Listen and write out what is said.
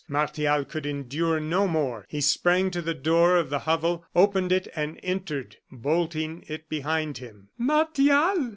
Martial could endure no more. He sprang to the door of the hovel, opened it, and entered, bolting it behind him. "Martial!"